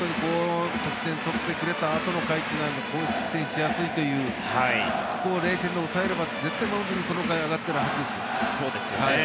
得点を取ってくれた回というのは失点しやすいというここを０点で抑えればという気持ちで絶対にマウンドに上がっているはずですよ。